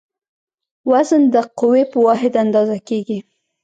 وزن د قوې په واحد اندازه کېږي.